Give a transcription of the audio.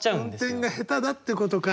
運転が下手だってことか。